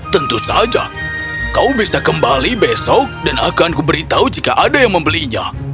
tentu saja kau bisa kembali besok dan akan kuberitahu jika ada yang membelinya